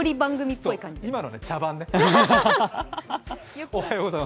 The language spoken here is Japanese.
今のは茶番ね。